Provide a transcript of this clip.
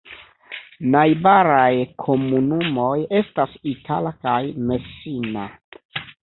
Najbaraj komunumoj estas Itala kaj Messina.